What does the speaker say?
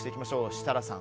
設楽さん。